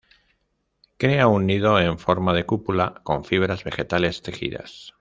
Crea un nido en forma de cúpula con fibras vegetales tejidas.